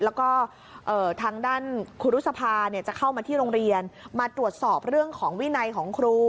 แล้วก็ทางด้านครูรุษภาจะเข้ามาที่โรงเรียนมาตรวจสอบเรื่องของวินัยของครู